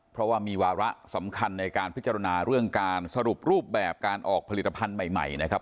เพราะว่ามีวาระสำคัญในการพิจารณาเรื่องการสรุปรูปแบบการออกผลิตภัณฑ์ใหม่นะครับ